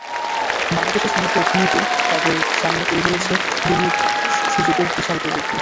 বাংলাদেশের সমুদ্র অর্থনীতি তাঁদের সামনে তুলে ধরছে বিনিয়োগ সুযোগের বিশাল পরিধি।